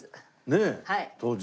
ねえ当時。